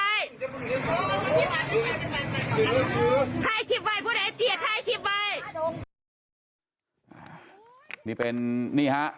ถ่ายคลิปไว้พวกนี้ถ่ายคลิปไว้นี่เป็นนี่ฮะ